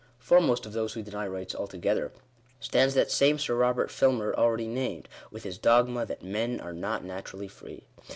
Foremost of those who deny rights altogether, stands that same Sir Robert Filmer already named, with his dogma, that " men are not naturally free."